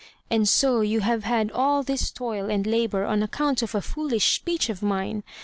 "And so you have had all this toil and labour on account of a foolish speech of mine?